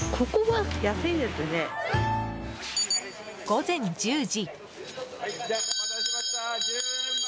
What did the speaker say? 午前１０時。